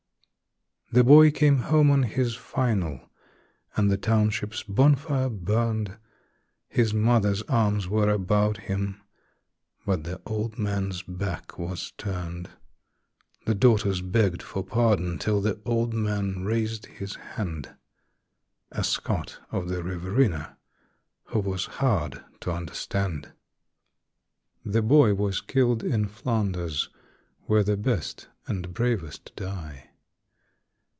The boy came home on his "final", and the township's bonfire burned. His mother's arms were about him; but the old man's back was turned. The daughters begged for pardon till the old man raised his hand A Scot of the Riverina who was hard to understand. The boy was killed in Flanders, where the best and bravest die.